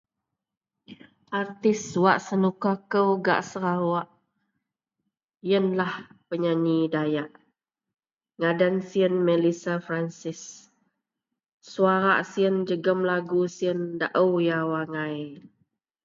Artis wak senuka kou gak Serawok. Iyenlah penyanyi dayak, ngadan siyen Melissa Francis. Suarak siyen jegum lagu siyen dao yaw angai.